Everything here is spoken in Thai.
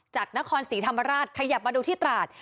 จากนครศรีธรรมราชขยับมาดูที่ตราด